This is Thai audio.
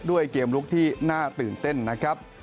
ด้วยเกมลุกที่น่าตื่นเต้นนะครับ